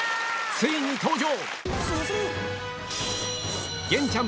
ついに登場！